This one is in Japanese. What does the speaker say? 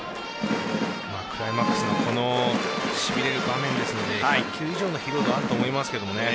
クライマックスのこのしびれる場面ですので１００球以上の疲労度あると思いますけどね。